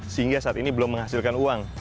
sehingga saat ini belum menghasilkan uang